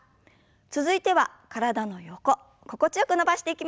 続いては体の横心地よく伸ばしていきましょう。